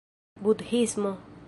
budhismo